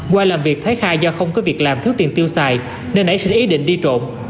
qua làm việc thái khai do không có việc làm thiếu tiền tiêu xài nên nảy sinh ý định đi trộm